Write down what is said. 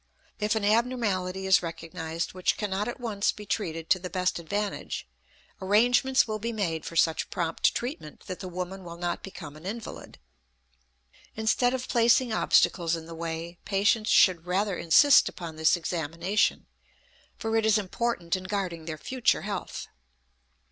If an abnormality is recognized which cannot at once be treated to the best advantage, arrangements will be made for such prompt treatment that the woman will not become an invalid. Instead of placing obstacles in the way, patients should rather insist upon this examination, for it is important in guarding their future health.